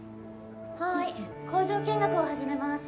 はーい工場見学を始めます